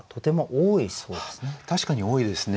確かに多いですね。